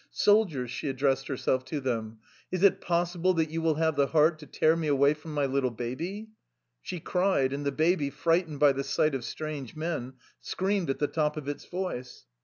" Soldiers/' she addressed herself to them, " is it possible that you will have the heart to tear me away from my little baby? " She cried and the baby, frightened by the sight of strange men, screamed at the top of its voice.